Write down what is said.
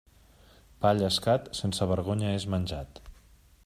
Pa llescat, sense vergonya és menjat.